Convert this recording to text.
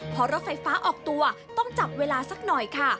พอรถไฟฟ้าออกตัวต้องจับเวลาสักหน่อยค่ะ